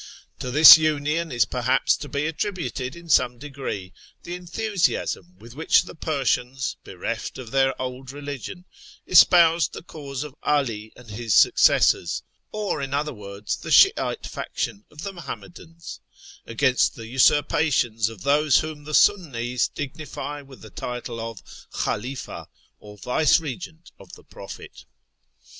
To this union is perhaps to be attributed in some degree the enthusiasm with which the Persians, bereft of their old religion, espoused the cause of 'Ali and his successors (or in other words the Shf ite faction of the Muhammadans) against the usurpations of those whom the Sunm's dignify with the title of Khalifa, or vicegerent of the Prophet.